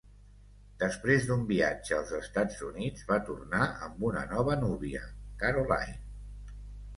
Després d'un viatge als Estats Units, va tornar amb una nova núvia, Caroline.